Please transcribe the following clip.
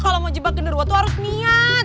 kalo mau jebak genderwo tuh harus niat